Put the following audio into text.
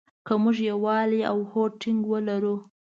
که مونږ يووالی او ټينګ هوډ ولرو.